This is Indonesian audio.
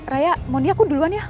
raya mohon dia aku duluan ya